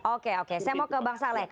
oke oke saya mau ke bang saleh